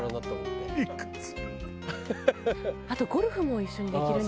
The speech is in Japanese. あとゴルフも一緒にできるんですってね。